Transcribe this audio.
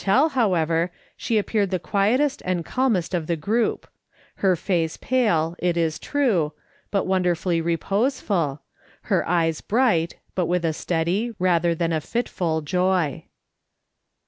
tell, however, she appeared the quietest and calmest of the group — her face pale, it is true, but wonder fully reposeful, her eyes bright, but with a steady, rather than a fitful joy.